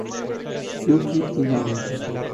Yuki Inoue